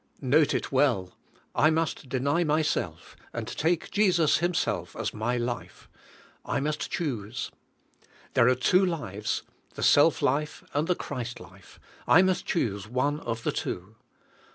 Note it well. — I must deny myself and take Jesus him self as my life, — I must choose. There are two lives, the self life and the Christ life; I must choose one of the two.